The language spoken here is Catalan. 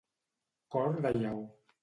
Cor de lleó.